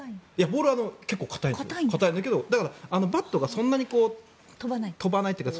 結構硬いんだけどバットがそんなに飛ばないというか